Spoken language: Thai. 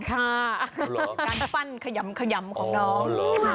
การปั้นขยำของน้อง